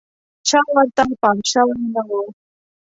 چا ورته پام شوی نه و.